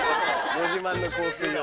ご自慢の香水を。